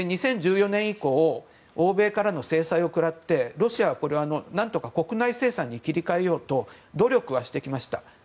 ２０１４年以降欧米からの制裁を食らってロシアは国内生産に切り替えようと努力はしてきました。